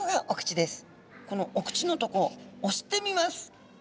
このお口のとこ押してみます。